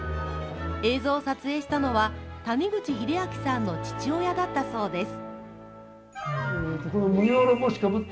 映像を撮影したのは、谷口英明さんの父親だったそうです。